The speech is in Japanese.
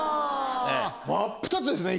真っ二つですね！